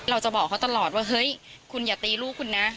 เราจะบอกเขาตลอดว่าเฮ้ยคุณอย่าตีลูกคุณนะ